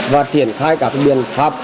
và triển khai các biện pháp